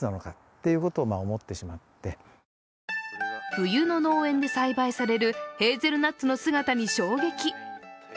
冬の農園で栽培されるヘーゼルナッツの姿に衝撃。